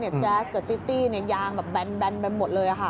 แจ๊สกับซิตี้ยางแบนไปหมดเลยค่ะ